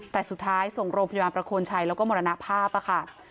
แต่สุดท้ายส่งโรงพยาบาลประโคนชัยแล้วก็มรณภาพค่ะ